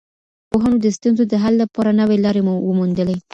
پوهانو د ستونزو د حل لپاره نوي لاري وموندلې.